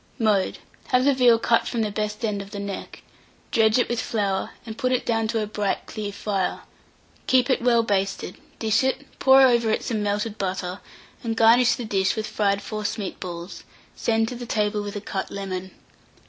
Mode. Have the veal cut from the best end of the neck; dredge it with flour, and put it down to a bright clear fire; keep it well basted; dish it, pour over it some melted butter, and garnish the dish with fried forcemeat balls; send to table with a cut lemon.